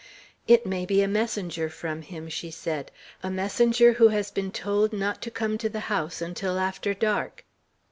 "It may be a messenger from him," she said; "a messenger who has been told not to come to the house until after dark."